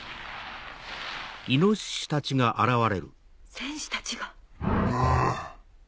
戦士たちが。